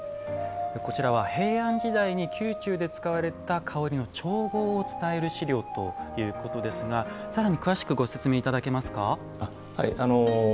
こちらは、平安時代に宮中で使われた香りの調合を伝える資料ということですがさらに詳しくご説明いただけますか？